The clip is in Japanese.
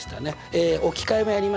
え置き換えもやりましたね。